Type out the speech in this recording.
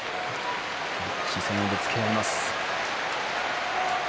視線をぶつけ合います。